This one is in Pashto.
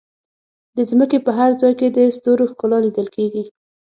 د ځمکې په هر ځای کې د ستورو ښکلا لیدل کېږي.